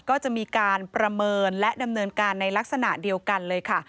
ก็จะมีการประเมินและดำเนินการในลักษณะเดียวกันเลยค่ะ